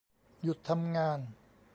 หยุดทำงาน